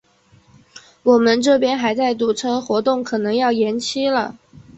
我们这边还在堵车，活动可能要延期了。